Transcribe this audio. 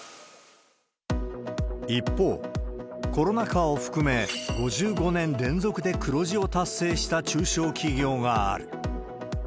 一方、コロナ禍を含め、５５年連続で黒字を達成した中小企業がある。